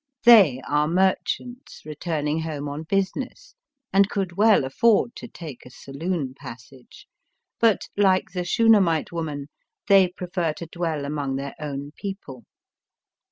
They are merchants returning home on business, and could well afford to take a saloon passage ; but, like the Shuna mite woman, they prefer to dwell among their own people.